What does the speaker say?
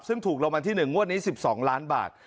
ซึ่งถูกรางวัลที่๑งวดนี้๑๒ล้านบาท